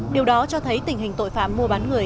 điều đó cho thấy tình hình tội phạm mua bán người